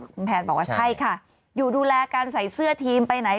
คุณแพนบอกว่าใช่ค่ะอยู่ดูแลการใส่เสื้อทีมไปไหน